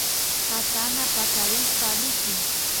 Katana patarishpa allchi